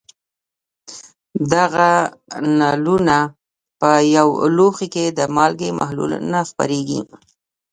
دغه نلونه په یو لوښي کې د مالګې محلول ته خپرېږي.